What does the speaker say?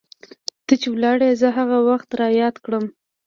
ته چې ولاړي زه هغه وخت رایاد کړم